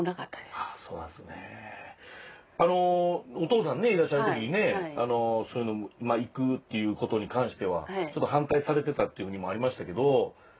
っしゃる時にねそういうまあ行くっていうことに関してはちょっと反対されてたっていうふうにもありましたけど。